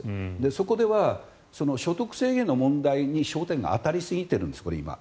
そこでは所得制限の問題に今焦点が当たりすぎているんです。